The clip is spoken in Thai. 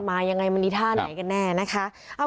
มายังไงมันมีท่าไหนกันแน่นะคะ